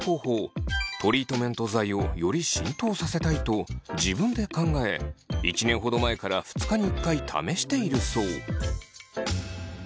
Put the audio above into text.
トリートメント剤をより浸透させたいと自分で考え１年ほど前から２日に１回試しているそう。